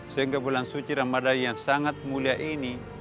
sehingga bulan suci ramadan yang sangat mulia ini